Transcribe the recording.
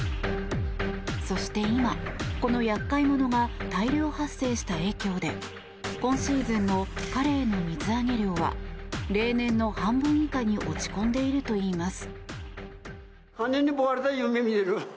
そして今、この厄介者が大量発生した影響で今シーズンのカレイの水揚げ量は例年の半分以下に落ち込んでいるといいます。